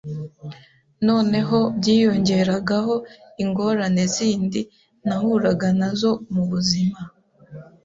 noneho byiyongeragaho ingorane zindi nahuraga nazo mubuzima